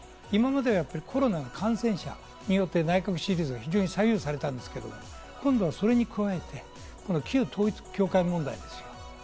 今までやっぱりコロナの感染者によって内閣支持率が左右されたんですけど、今度はそれに加えて旧統一教会問題ですよ。